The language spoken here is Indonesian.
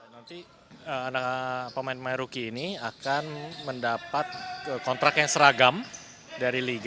nanti anak pemain maerooki ini akan mendapat kontrak yang seragam dari liga